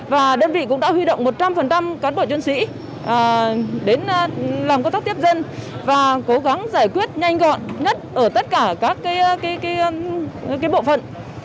và đơn vị cũng đã huy động một trăm linh cán bộ chiến sĩ đến làm công tác tiếp dân và cố gắng giải quyết nhanh gọn nhất ở tất cả các bộ phận